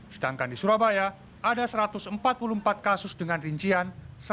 sedangkan di surabaya ada satu ratus empat puluh empat kasus dengan rincian